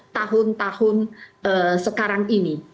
tahun tahun sekarang ini